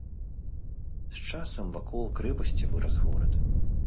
З часам вакол крэпасці вырас горад.